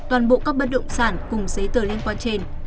toàn bộ các bất động sản cùng giấy tờ liên quan trên